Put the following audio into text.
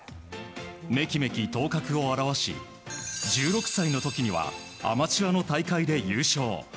メキメキ頭角を現し１６歳の時にはアマチュアの大会で優勝。